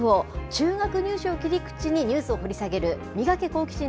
中学入試を切り口にニュースを掘り下げる、ミガケ、好奇心！